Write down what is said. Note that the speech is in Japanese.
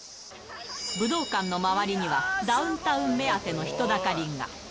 武道館の周りには、ダウンタウン目当ての人だかりが。